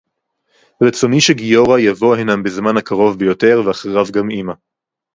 רצוני שגיורא יבוא הנה בזמן הקרוב ביותר ואחריו גם אמא.